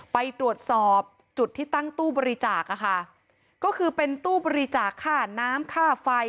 ไปตรวจสอบจุดที่ตั้งตู้บริจาคค่ะก็คือเป็นตู้บริจาคค่าน้ำค่าไฟ